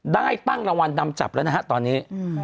ได้ตั้งรางวัลนำจับแล้วนะฮะตอนนี้